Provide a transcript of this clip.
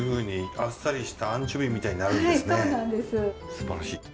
すばらしい。